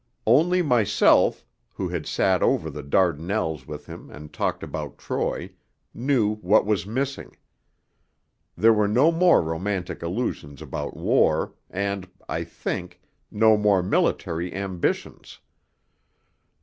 Only myself, who had sat over the Dardanelles with him and talked about Troy, knew what was missing. There were no more romantic illusions about war, and, I think, no more military ambitions.